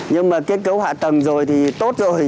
nhưng mà kết cấu hạ tầng rồi thì tốt rồi